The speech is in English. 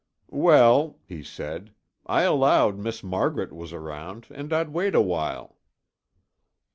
"Well," he said, "I allowed Miss Margaret was around and I'd wait a while."